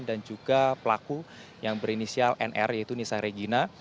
dan juga pelaku yang berinisial nr yaitu nisa regina